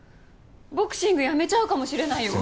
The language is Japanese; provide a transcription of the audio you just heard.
ボクシングやめちゃうかもしれないよ。